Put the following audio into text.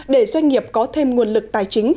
để doanh nghiệp có thêm nguồn lực tài chính